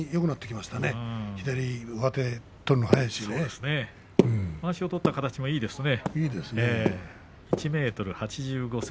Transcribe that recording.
まわしを取った形もいいですね。